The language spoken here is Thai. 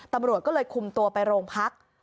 ตำรวจก็เลยคุมตัวไปโรงพัก